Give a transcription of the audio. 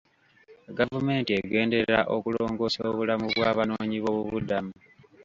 Gavumenti egenderera okulongoosa obulamu bwa banoonyi b'obubuddamu.